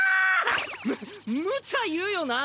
むむちゃ言うよなぁ。